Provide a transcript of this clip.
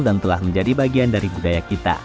dan telah menjadi bagian dari budaya kita